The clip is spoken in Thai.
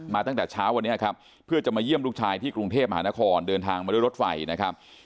ตั้งแต่เช้าวันนี้ครับเพื่อจะมาเยี่ยมลูกชายที่กรุงเทพมหานครเดินทางมาด้วยรถไฟนะครับ